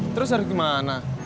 terus harus gimana